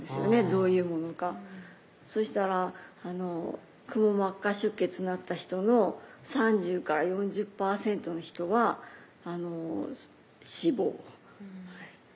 どういうものかそしたら「くも膜下出血なった人の３０４０％の人は死亡」